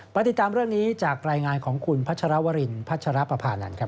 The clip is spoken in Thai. ติดตามเรื่องนี้จากรายงานของคุณพัชรวรินพัชรปภานันทร์ครับ